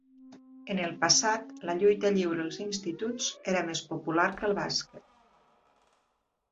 En el passat, la lluita lliure als instituts era més popular que el bàsquet.